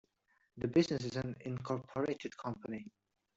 The business is an incorporated company.